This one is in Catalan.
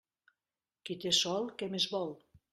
Qui té sol, què més vol?